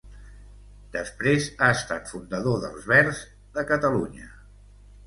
Després ha estat fundador d'Els Verds de Catalunya.